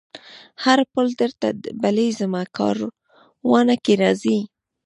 هر پل درته بلېږمه کاروانه که راځې